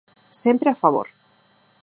Sempre a favor.